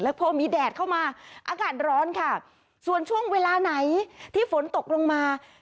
พอมีแดดเข้ามาอากาศร้อนค่ะส่วนช่วงเวลาไหนที่ฝนตกลงมา